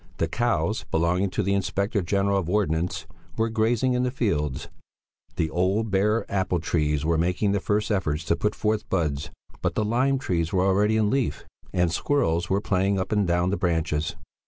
The cows belonging to the Inspector General of Ordnance were grazing in the fields; the old, bare apple trees were making the first efforts to put forth buds; but the lime trees were already in leaf and squirrels were playing up and down the branches.